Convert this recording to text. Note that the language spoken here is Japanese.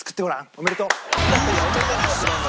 おめでとう。